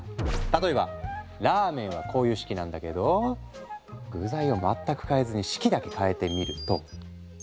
例えばラーメンはこういう式なんだけど具材を全く変えずに式だけ変えてみると。